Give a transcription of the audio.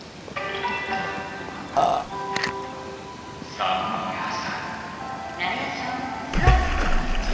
さむいあさ。